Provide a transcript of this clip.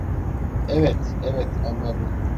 Evet, evet, anladım.